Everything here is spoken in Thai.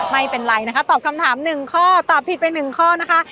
ไม่เป็นไรนะคะตอบคำถาม๑ข้อตอบผิดไป๑ข้อนะคะ